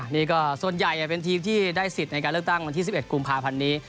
นี่ก็ส่วนใหญ่เป็นทีมที่ได้สิทธิ์ในการเลือกตั้งวันที่๑๑กุมภาพันธ์นี้